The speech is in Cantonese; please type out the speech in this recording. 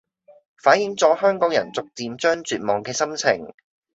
反映咗香港人逐漸將絕望嘅心情